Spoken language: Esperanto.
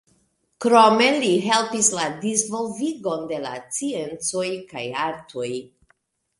Krome li helpis la disvolvigon de la sciencoj kaj artoj.